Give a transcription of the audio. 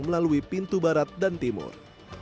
melalui pintu barat dan timur